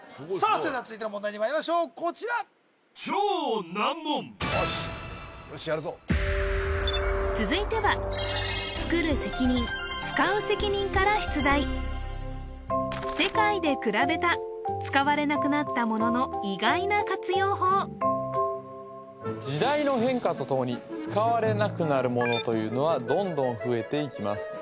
それでは続いての問題にまいりましょうこちらよしよしやるぞ続いては「つくる責任つかう責任」から出題世界でくらべた時代の変化とともに使われなくなる物というのはどんどん増えていきます